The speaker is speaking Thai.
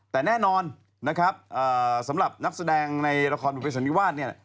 แต่แน่นอนสำหรับนักแสดงในละครบริเวศนีวาส